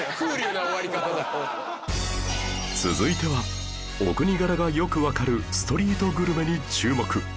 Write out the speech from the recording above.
続いてはお国柄がよくわかるストリートグルメに注目